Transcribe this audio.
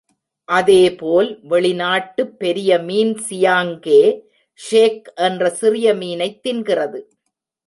அதேபோல் வெளிநாட்டு பெரிய மீன் சியாங்கே ஷேக் என்ற சிறிய மீனைத் தின்கிறது.